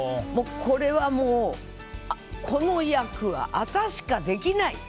これは、もうこの役は、私しかできない！